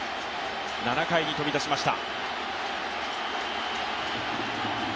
７回に飛び出しました。